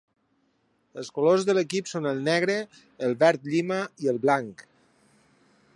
Els colors de l'equip són el negre, el verd llima i el blanc.